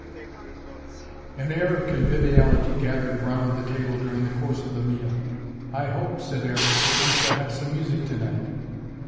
An air of conviviality gathered round the table during the course of the meal. "I hope," said Aaron, "that we shall have some music tonight."